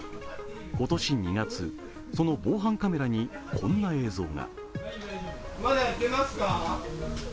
今年２月、その防犯カメラにこんな映像が。